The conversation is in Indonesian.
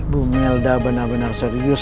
bumilda benar benar serius